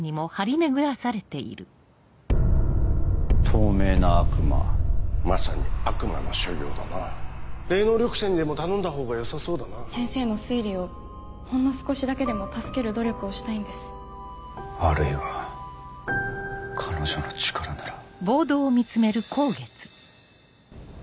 透明な悪魔まさに悪魔の所業だな霊能力者にでも頼んだほうがよさそうだな先生の推理をほんの少しだけでも助ける努力をしたいんですあるいは彼女の力なら。